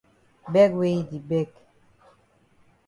Beg wey yi di beg.